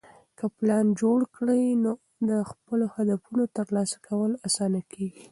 که پلان جوړ کړې، نو د خپلو هدفونو ترلاسه کول اسانه کېږي.